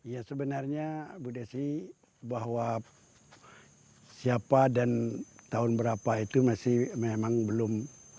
ya sebenarnya bu desi bahwa siapa dan tahun berapa itu masih memang belum